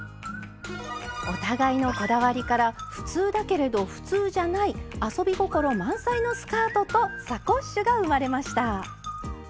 お互いのこだわりから普通だけれど普通じゃない遊び心満載のスカートとサコッシュが生まれました。